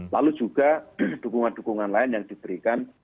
lalu juga dukungan dukungan lain yang diberikan